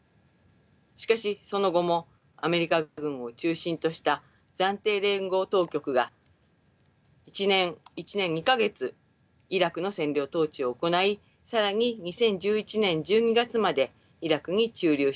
しかしその後もアメリカ軍を中心とした暫定連合当局が１年２か月イラクの占領統治を行い更に２０１１年１２月までイラクに駐留し続けました。